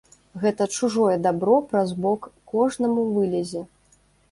Гэта чужое дабро праз бок кожнаму вылезе.